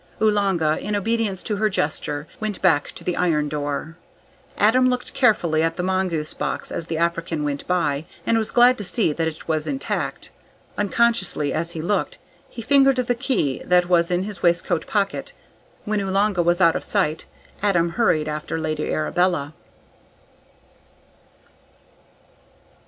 Oolanga, in obedience to her gesture, went back to the iron door. Adam looked carefully at the mongoose box as the African went by, and was glad to see that it was intact. Unconsciously, as he looked, he fingered the key that was in his waistcoat pocket. When Oolanga was out of sight, Adam hurried after Lady Arabella.